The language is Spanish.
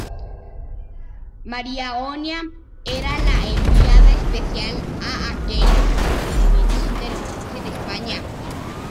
María Oña era la enviada especial a aquellos acontecimientos interesantes en España.